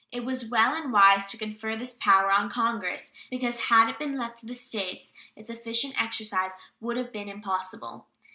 It was well and wise to confer this power on Congress, because had it been left to the States its efficient exercise would have been impossible.